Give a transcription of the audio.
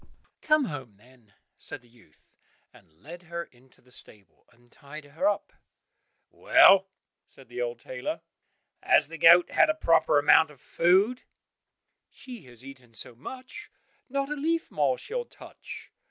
meh!" "Come home, then," said the youth, and led her into the stable, and tied her up. "Well," said the old tailor, "has the goat had a proper amount of food?" "She has eaten so much, not a leaf more she'll touch."